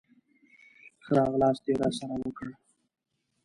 ښه راغلاست یې راسره وکړ.